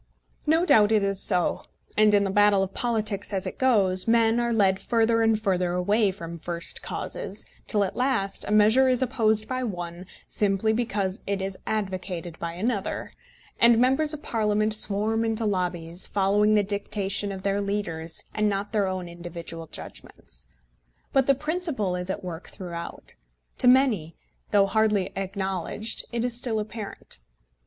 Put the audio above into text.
No doubt it is so; and in the battle of politics, as it goes, men are led further and further away from first causes, till at last a measure is opposed by one simply because it is advocated by another, and members of Parliament swarm into lobbies, following the dictation of their leaders, and not their own individual judgments. But the principle is at work throughout. To many, though hardly acknowledged, it is still apparent.